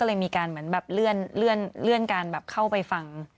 เลยมีการเหมือนแบบเลื่อนการแบบเข้าไปฟัง